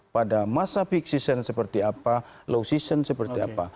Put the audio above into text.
pada masa peak season seperti apa low season seperti apa